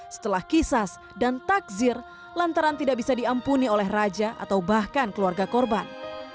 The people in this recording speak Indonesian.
setelah kisas dan takzir lantaran tidak bisa diampuni oleh raja atau bahkan keluarga korban